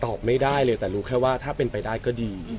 ไม่ได้เลยแต่รู้แค่ว่าถ้าเป็นไปได้ก็ดี